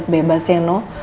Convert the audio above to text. tapi kalau kamu harus bebas